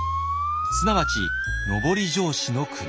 すなわち上り調子の国。